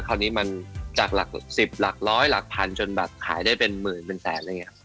คราวนี้มันจากหลัก๑๐หลักร้อยหลักพันจนแบบขายได้เป็นหมื่นเป็นแสนอะไรอย่างนี้